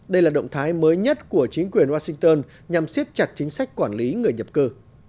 đây là động thái mới nhất của chính quyền washington nhằm siết chặt chính sách quản lý người nhập cư